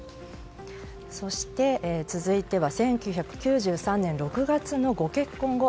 そして続いて１９９３年６月のご結婚後